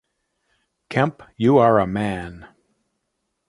Kemp, you are a man.